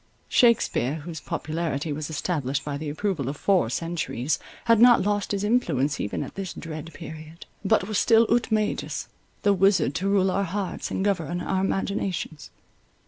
Shakspeare, whose popularity was established by the approval of four centuries, had not lost his influence even at this dread period; but was still "Ut magus," the wizard to rule our hearts and govern our imaginations.